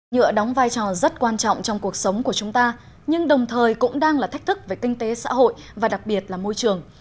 nhựa đóng vai trò rất quan trọng trong cuộc sống của chúng ta nhưng đồng thời cũng đang là thách thức về kinh tế xã hội và đặc biệt là môi trường